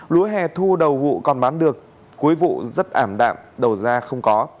lúa hè thu đầu vụ còn bán được cuối vụ rất ảm đạm đầu ra không có